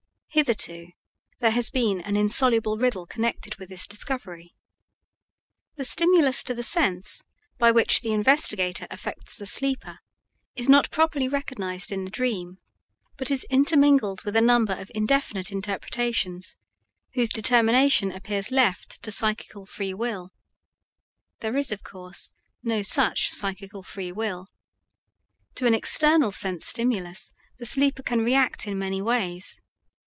Hitherto there has been an insoluble riddle connected with this discovery. The stimulus to the sense by which the investigator affects the sleeper is not properly recognized in the dream, but is intermingled with a number of indefinite interpretations, whose determination appears left to psychical free will. There is, of course, no such psychical free will. To an external sense stimulus the sleeper can react in many ways.